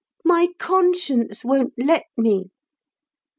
My conscience won't let me.